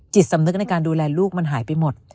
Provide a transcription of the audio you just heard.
จิตสำนึกในการดูแลลูกมันหายไปหมด